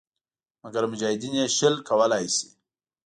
مګر مجاهدین یې شل کولای شي.